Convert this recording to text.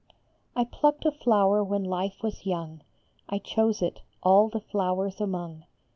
I plucked a flower when life was young, I chose it all the flowers among.